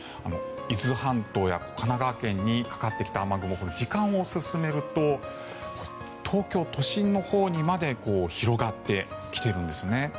伊豆半島や神奈川県にかかってきた雨雲時間を進めると東京都心のほうにまで広がってきているんですね。